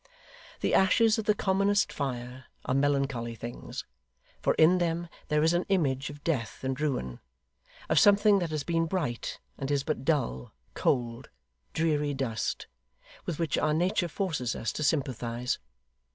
The ashes of the commonest fire are melancholy things, for in them there is an image of death and ruin, of something that has been bright, and is but dull, cold, dreary dust, with which our nature forces us to sympathise.